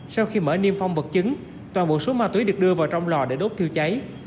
sau khi mở niêm phong vật chứng toàn bộ số ma túy được đưa vào trong lò để đốt thiêu cháy